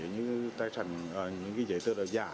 như những cái giấy tờ giả